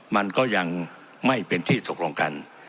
มันก็ยังไม่เป็นที่ตกลงกัน